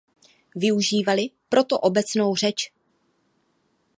Využívali proto Obecnou řeč.